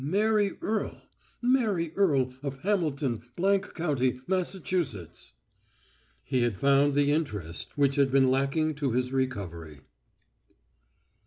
"Mary Earle! Mary Earle, of Hamilton, —— county, Massachusetts." He had found the interest which had been lacking to his recovery.